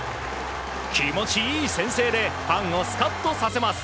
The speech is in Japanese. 気持ちいい先制でファンをスカッとさせます。